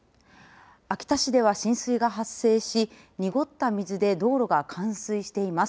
秋田市では浸水が発生し濁った水で道路が冠水しています。